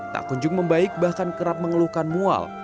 tak kunjung membaik bahkan kerap mengeluhkan mual